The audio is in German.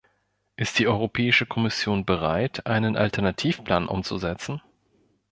Ist die Europäische Kommission bereit, einen Alternativplan umzusetzen?